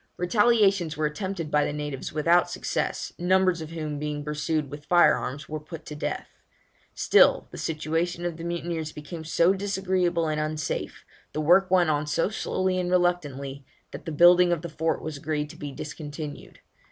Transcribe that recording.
Retaliations were attempted by the natives without success, numbers of whom being pursued with fire arms were put to death. Still the situation of the mutineers became so disagreeable and unsafe, the work went on so slowly and reluctantly, that the building of the fort was agreed to be discontinued.